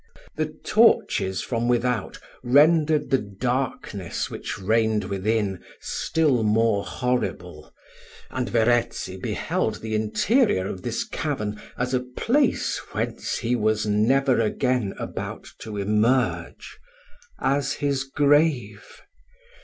The torches from without rendered the darkness which reigned within still more horrible; and Verezzi beheld the interior of this cavern as a place whence he was never again about to emerge as his grave.